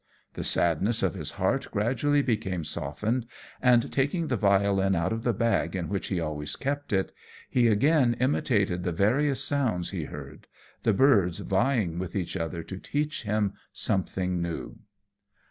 The sadness of his heart gradually became softened, and, taking the violin out of the bag in which he always kept it, he again imitated the various sounds he heard, the birds vieing with each other to teach him something new.